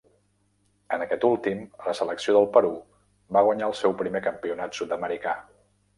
En aquest últim, la selecció del Perú va guanyar el seu primer Campionat Sud-americà.